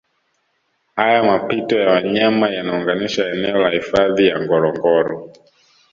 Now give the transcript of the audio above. Haya mapito ya wanyama yanaunganisha eneo la hifadhi ya Ngorongoro